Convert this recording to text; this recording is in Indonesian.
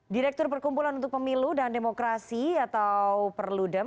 direktur perkumpulan untuk pemilu dan demokrasi atau perludem